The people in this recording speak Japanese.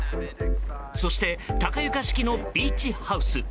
そして、高床式のビーチハウス。